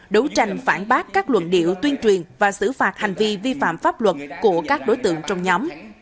đấu tranh phản bác các luận điệu tuyên truyền và xử phạt hành vi vi phạm pháp luật của các đối tượng trong nhóm